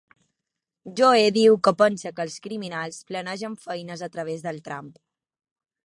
Joe diu que pensa que els criminals planegen feines a través del Trump.